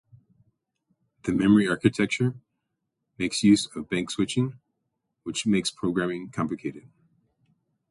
The memory architecture makes use of bank switching which makes programming complicated.